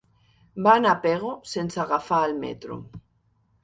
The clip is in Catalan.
Va anar a Pego sense agafar el metro.